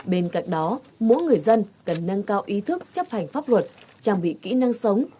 bên cạnh đó mỗi người dân cần nâng cao ý thức chấp hành pháp luật trang bị kỹ năng sống